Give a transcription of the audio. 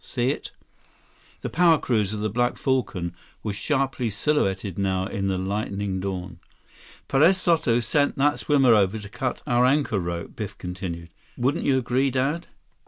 See it?" The power cruiser, the Black Falcon, was sharply silhouetted now in the lightening dawn. 167 "Perez Soto's sent that swimmer over to cut our anchor rope," Biff continued. "Wouldn't you agree, Dad?"